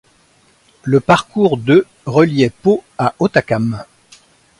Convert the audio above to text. Le parcours de reliait Pau à Hautacam.